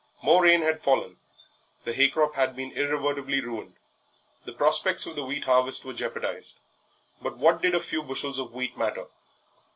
More rain had fallen, the hay crop had been irretrievably ruined, the prospects of the wheat harvest were jeopardized, but what did a few bushels of wheat matter?